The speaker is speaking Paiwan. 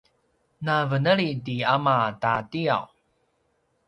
na veneli ti ama ta tiyaw